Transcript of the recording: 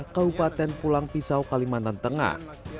kabupaten pulang pisau kalimantan tengah